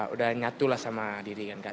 udah nyatulah sama diri kan kak